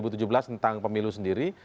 dua ribu tujuh belas tentang pemilu sendiri